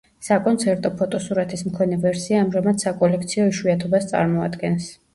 საკონცერტო ფოტოსურათის მქონე ვერსია ამჟამად საკოლექციო იშვიათობას წარმოადგენს.